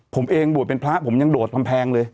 ผมเองบวชเป็นพระผมยังโดดกำแพงเลย